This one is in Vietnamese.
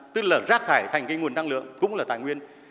tức là rác thải thành cái nguồn năng lượng cũng là tài nguyên